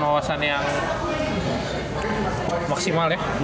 wawasan yang maksimal ya